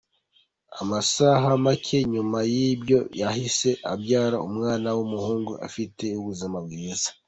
Amasaha make nyuma y’ibyo yahise abyara umwana w’umuhungu ufite ubuzima bwiza.